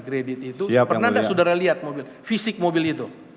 kredit itu pernah tidak saudara lihat mobil fisik mobil itu